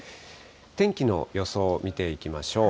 天気の予想を見ていきましょう。